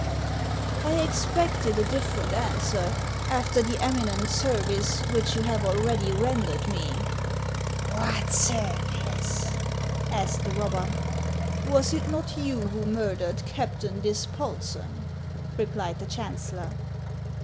"" I expected a different answer, after the eminent ser vice which you have already rendered me." " What service ?" asked the robber. " Was it not you who murdered Captain Dispolsen ?" replied the chancellor.